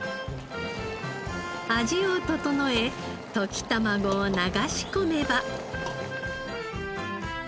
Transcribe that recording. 味を調え溶き卵を流し込めば。